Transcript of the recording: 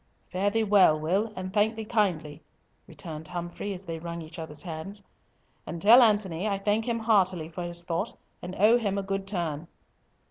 "Fare thee well, Will, and thank thee kindly," returned Humfrey, as they wrung each other's hands. "And tell Antony that I thank him heartily for his thought, and owe him a good turn."